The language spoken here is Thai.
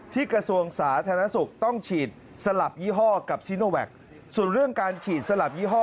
กระทรวงสาธารณสุขต้องฉีดสลับยี่ห้อกับชิโนแวคส่วนเรื่องการฉีดสลับยี่ห้อ